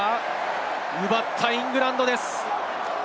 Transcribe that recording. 奪ったイングランドです。